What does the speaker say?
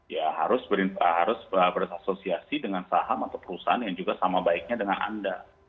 ya harus berasosiasi dengan saham atau perusahaan yang juga sama baiknya dengan anda